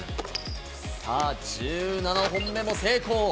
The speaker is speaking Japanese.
さあ、１７本目も成功。